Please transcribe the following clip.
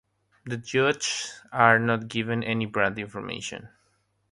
The judges are not given any brand information.